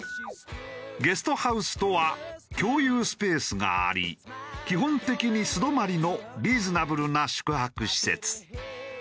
ゲストハウスとは共有スペースがあり基本的に素泊まりのリーズナブルな宿泊施設。